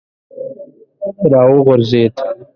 را وغورځېد.